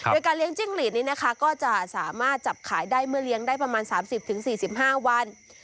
โดยการเลี้ยงจิ้งหลีดนี้นะคะก็จะสามารถจับขายได้เมื่อเลี้ยงได้ประมาณ๓๐๔๕วัน